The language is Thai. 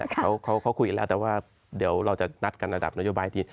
เขาคุยกันแล้วแต่ว่าเดี๋ยวเราจะนัดกันระดับนโยบายที